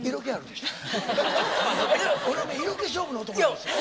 俺ね色気勝負の男なんですよ。